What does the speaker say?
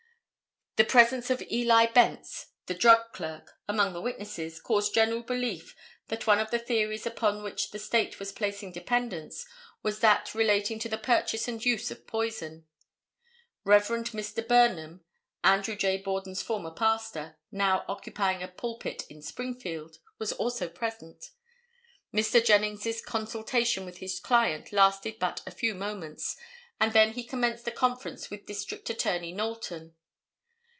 The presence of Eli Bence, the drug clerk, among the witnesses, caused general belief that one of the theories upon which the State was placing dependence was that relating to the purchase and use of poison. Rev. Mr. Burnham, Andrew J. Borden's former pastor, now occupying a pulpit in Springfield, was also present. Mr. Jennings' consultation with his client lasted but a few moments, and then he commenced a conference with District Attorney Knowlton.